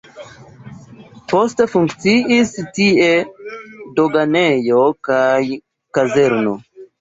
Poste funkciis tie doganejo kaj kazerno.